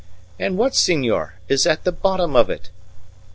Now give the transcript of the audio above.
And what, senor, is at the bottom of it?